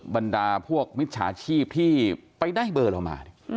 บรรดาพวกมิจฉาชีพที่ไปได้เบอร์เรามา